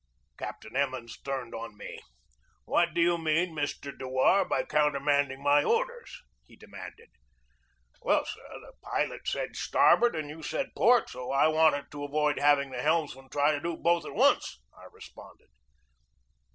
Captain Emmons turned on me. "What do you mean, Mr. Dewar, by counter manding my orders?" he demanded. "Well, sir, the pilot said starboard and you said port, so I wanted to avoid having the helmsman try to do both at once," I responded.